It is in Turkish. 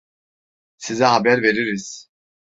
Size haber veririz.